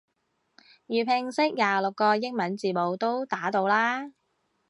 粵拼識廿六個英文字母都打到啦